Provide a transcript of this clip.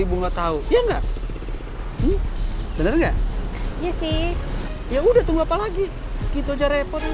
ibu nggak tahu ya nggak ini bener nggak iya sih ya udah tunggu apa lagi gitu aja repot ayo